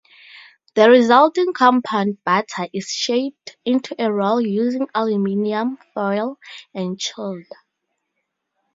The resulting compound butter is shaped into a roll using aluminium foil and chilled.